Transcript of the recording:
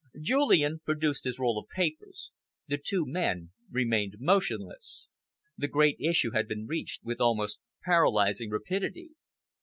Julian produced his roll of papers. The two men remained motionless. The great issue had been reached with almost paralysing rapidity.